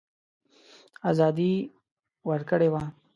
آزادي ورکړې وه.